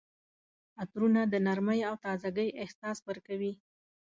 عطرونه د نرمۍ او تازګۍ احساس ورکوي.